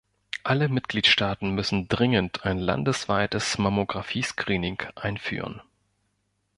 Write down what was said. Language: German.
Alle Mitgliedstaaten müssen dringend ein landesweites Mammographie-Screening einführen.